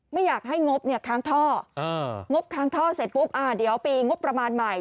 ไม่อยากให้งบเนี่ยค้างท่องบค้างท่อเสร็จปุ๊บเดี๋ยวปีงบประมาณใหม่